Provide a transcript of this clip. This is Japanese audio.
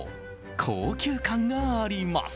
高級感があります。